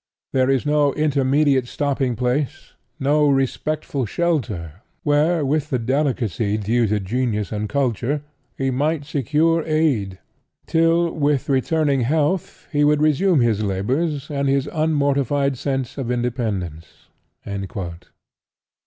There is no intermediate stopping place, no respectful shelter, where, with the delicacy due to genius and culture, he might secure aid, till, with returning health, he would resume his labors, and his unmortified sense of independence."